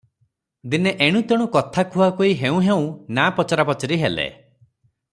ଦିନେ ଏଣୁ ତେଣୁ କଥା କୁହାକୁହି ହେଉଁ ହେଉଁ ନା' ପଚରାପଚରି ହେଲେ ।